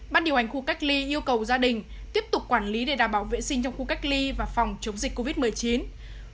bác điều hành khu cách ly yêu cầu gia đình tiếp tục quản lý để đảm bảo vệ sinh trong khu cách ly và phòng chống dịch covid một mươi chín